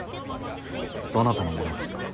どなたのものですか。